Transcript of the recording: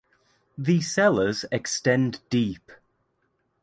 The cellars extend deep.